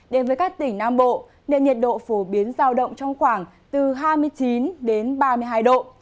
đến với các tỉnh nam bộ nền nhiệt độ phổ biến giao động trong khoảng từ hai mươi chín ba mươi hai độ